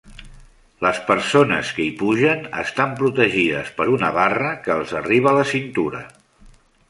Les persones que hi pugen estan protegides per una barra que els arriba a la cintura.